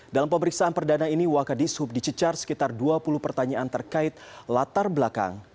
dalam pemeriksaan perdana ini wakadis hub dicecar sekitar dua puluh pertanyaan terkait latar belakang